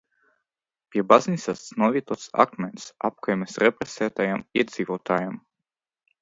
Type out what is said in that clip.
Pie baznīcas novietots akmens apkaimes represētajiem iedzīvotājiem.